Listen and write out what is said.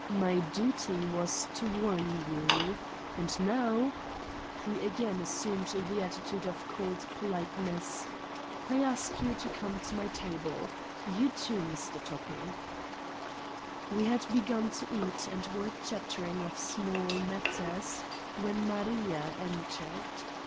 My duty was to warn you. And now"; he again assumed the attitude 34 Satan's Diary of cold politeness "I ask you to come to my table. You too, Mr. Toppi!" We had begun to eat, and were chattering of small matters, when Maria entered.